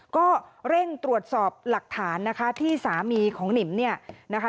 ก็เร่งตรวจสอบหลักฐานนะคะที่สามีของหนิมเนี่ยนะคะ